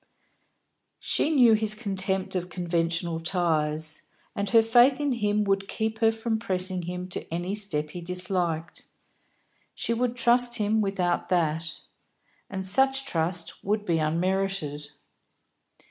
She knew his contempt of conventional ties, and her faith in him would keep her from pressing him to any step he disliked; she would trust him without that. And such trust would be unmerited.